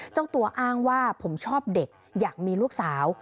เจ้าตัวอ้างว่าผมชอบเด็กอยากมีลูกสาว